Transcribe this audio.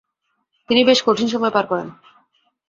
তিনি বেশ কঠিন সময় পার করেন।